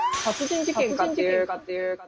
殺人事件かっていう。